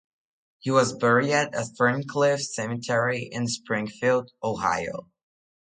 He was buried at Ferncliff Cemetery in Springfield, Ohio.